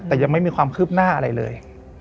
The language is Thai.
แต่ยังไม่มีความคืบหน้าอะไรเลย